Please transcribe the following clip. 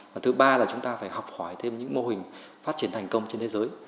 và thứ ba là chúng ta phải học hỏi thêm những mô hình phát triển thành công trên thế giới